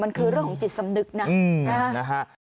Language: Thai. มันคือเรื่องของจิตสำนึกนะนะฮะ